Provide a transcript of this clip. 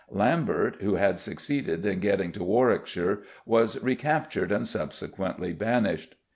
Lambert, who had succeeded in getting to Warwickshire, was recaptured and subsequently banished.